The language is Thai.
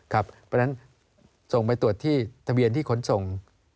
เพราะฉะนั้นส่งไปตรวจที่ทะเบียนที่ขนส่ง